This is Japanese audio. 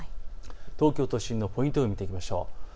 東京都心のポイント予報を見ていきましょう。